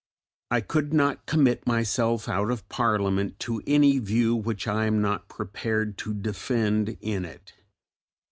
I could not commit myself out of Parliament to any view which I am not prepared to defend in it.